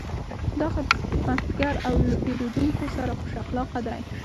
دا خدمتګر له پیرودونکو سره خوش اخلاقه دی.